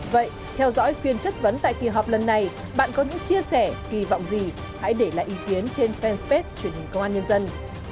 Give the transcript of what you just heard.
vậy theo dõi phiên chất vấn tại kỳ họp lần này bạn có những chia sẻ kỳ vọng gì hãy để lại ý kiến trên fanpage truyền hình công an nhân dân